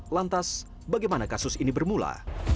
lantas bagaimana kasus ini bermula